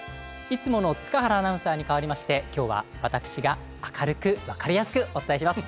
いつもの塚原アナウンサーに代わりまして今日は私が明るく分かりやすくお伝えします。